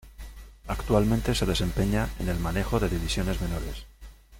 Actualmente se desempeña en el manejo de divisiones menores.